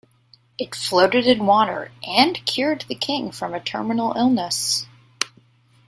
It floated in water and cured the king from a terminal illness.